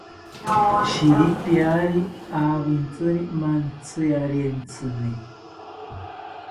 Shiripiari rawintziri mantziarentsini